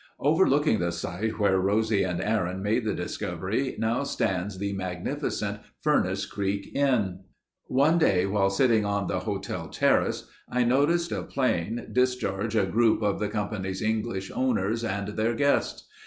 Overlooking the site where Rosie and Aaron made the discovery, now stands the magnificent Furnace Creek Inn. One day while sitting on the hotel terrace, I noticed a plane discharge a group of the Company's English owners and their guests.